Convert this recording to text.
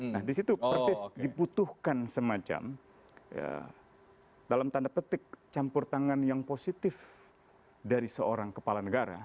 nah disitu persis diputuhkan semacam dalam tanda petik campur tangan yang positif dari seorang kepala negara